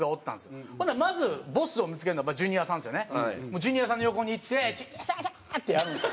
ジュニアさんの横に行って「ジュニアさん！」ってやるんですよ。